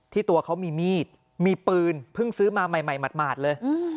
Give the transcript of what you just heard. ตัวเขามีมีดมีปืนเพิ่งซื้อมาใหม่หมาดเลย